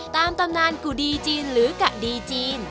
ตามตำนานกุดีจีนหรือกะดีจีน